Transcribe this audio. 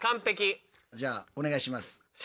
じゃあお願いします。